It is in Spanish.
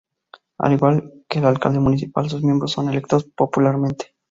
Al igual que el Alcalde Municipal sus miembros son electos popularmente.